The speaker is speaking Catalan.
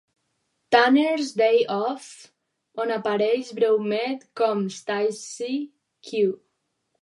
Tanner's Day Off, on apareix breument com Stacey Q.